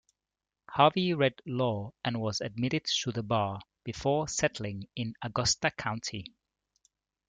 Harvie read law and was admitted to the bar before settling in Augusta County.